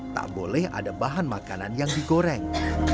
tak boleh ada bahan makanan yang digoreng